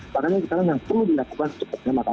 makanya sekarang yang perlu dilakukan sebetulnya masam agung